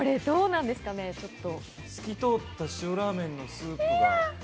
透き通った塩ラーメンのスープが。